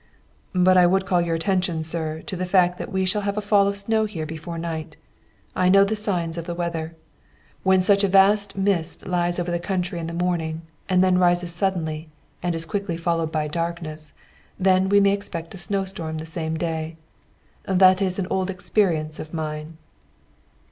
"But I would call your attention, sir, to the fact that we shall have a fall of snow here before night. I know the signs of the weather. When such a vast mist lies over the country in the morning, and then rises suddenly, and is quickly followed by darkness, then we may expect a snowstorm the same day. That is an old experience of mine."